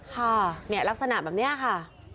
ค่ะเนี่ยลักษณะแบบนี้ค่ะ